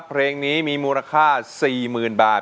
จะมีมูลค่าสี่หมื่นบาท